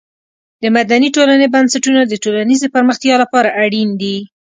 د مدني ټولنې بنسټونه د ټولنیزې پرمختیا لپاره اړین دي.